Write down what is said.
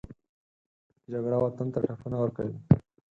جګړه وطن ته ټپونه ورکوي